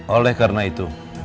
oleh karena itu